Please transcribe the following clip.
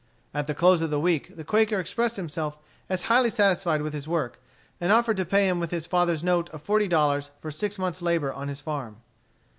At the close of the week the Quaker expressed himself as highly satisfied with his work, and offered to pay him with his father's note of forty dollars for six months' labor on his farm.